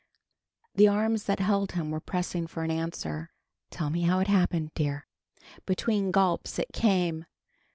The arms that held him were pressing for an answer. "Tell me how it happened, dear." Between gulps it came.